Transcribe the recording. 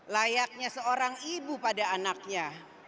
layaknya seorang ibu pada anaknya